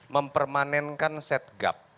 mempermanenkan set gap